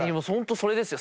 それですよ。